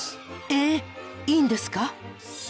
えっいいんですか？